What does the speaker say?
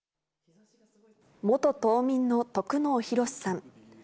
元島民の得能宏さん。